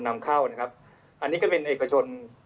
นำเข้านะครับอันนี้ก็เป็นเอกชน